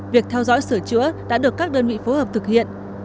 việc theo dõi sửa chữa đã được các đơn vị phối hợp thực hiện